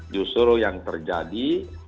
justru yang terjadi